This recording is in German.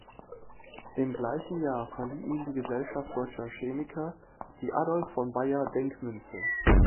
Im gleichen Jahr verlieh ihm die Gesellschaft Deutscher Chemiker die Adolf-von-Baeyer-Denkmünze.